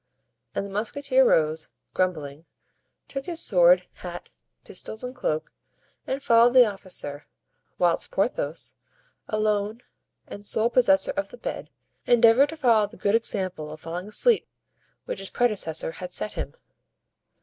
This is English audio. And the musketeer rose, grumbling, took his sword, hat, pistols, and cloak, and followed the officer, whilst Porthos, alone and sole possessor of the bed, endeavored to follow the good example of falling asleep, which his predecessor had set him.